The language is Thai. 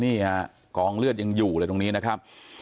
นี่ฮะกองเลือดยังอยู่เลยตรงนี้นะครับ